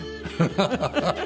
ハハハハ！